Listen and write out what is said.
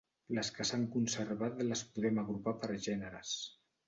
Les que s'han conservat les podem agrupar per gèneres.